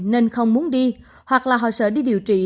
nên không muốn đi hoặc là họ sợ đi điều trị